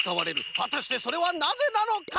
はたしてそれはなぜなのか！？